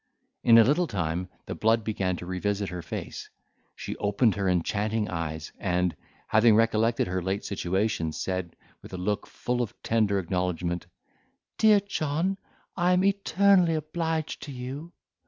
In a little time the blood began to revisit her face, she opened her enchanting eyes, and, having recollected her late situation, said, with a look full of tender acknowledgment, "Dear John, I am eternally obliged to you!"